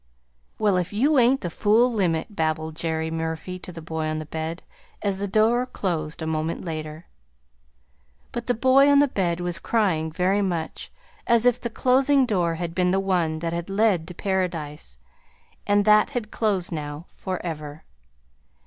"Well, if you ain't the fool limit!" babbled Jerry Murphy to the boy on the bed, as the door closed a moment later. But the boy on the bed was crying very much as if the closing door had been the one that had led to paradise and that had closed now forever.